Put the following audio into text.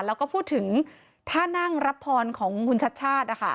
แล้วก็พูดถึงท่านั่งรับพรของคุณชัดชาติ